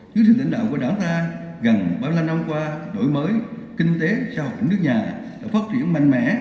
chứa thịnh lãnh đạo của đảng ta gần ba mươi năm năm qua đổi mới kinh tế xã hội hình nước nhà đã phát triển mạnh mẽ